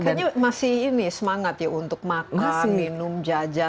kayaknya masih ini semangat ya untuk makan minum jajan dan lain sebagainya